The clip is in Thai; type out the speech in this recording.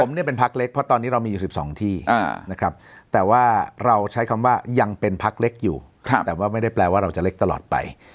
ผมเนี่ยเป็นพักเล็กเพราะตอนนี้เรามีอยู่๑๒ที่นะครับแต่ว่าเราใช้คำว่ายังเป็นพักเล็กอยู่แต่ว่าไม่ได้แปลว่าเราจะเล็กตลอดไป